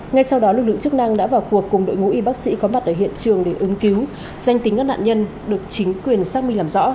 ngay sau đó lực lượng chức năng đã vào cuộc cùng đội ngũ y bác sĩ có mặt ở hiện trường để ứng cứu danh tính các nạn nhân được chính quyền xác minh làm rõ